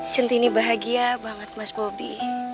centini bahagia banget mas bobi